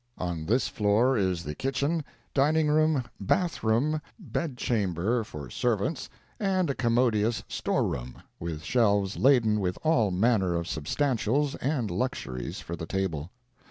On this floor is the kitchen, dining room, bath room, bed chambers for servants, and a commodious store room, with shelves laden with all manner of substantials and luxuries for the table.